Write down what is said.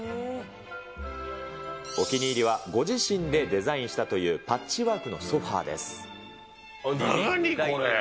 お気に入りはご自身でデザインしたという、パッチワークのソファ何これ？